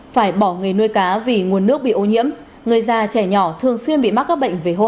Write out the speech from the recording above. phải bỏ người nuôi cá vì nguồn nước bị ô nhiễm người già trẻ nhỏ thường xuyên bị mắc các bệnh về huống uống